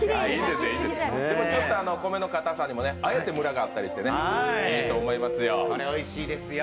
米のかたさにも、あえてむらがあったりして、いいと思いますよ。